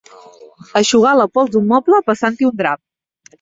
Eixugar la pols d'un moble passant-hi un drap.